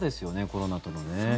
コロナとのね。